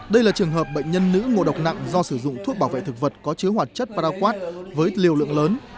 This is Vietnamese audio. đây là trường hợp bệnh nhân nữ ngộ độc nặng do sử dụng thuốc bảo vệ thực vật có chứa hoạt chất paraquad với liều lượng lớn